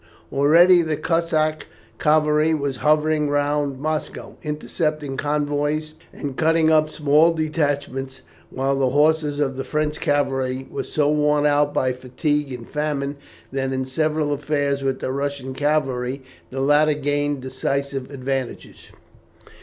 Already the Cossack cavalry were hovering round Moscow, intercepting convoys and cutting up small detachments, while the horses of the French cavalry were so worn out by fatigue and famine that in several affairs with the Russian cavalry the latter gained decisive advantages.